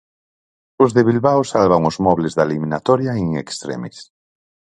Os de Bilbao salvan os mobles da eliminatoria in extremis.